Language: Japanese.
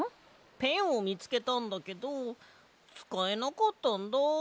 ペンをみつけたんだけどつかえなかったんだ。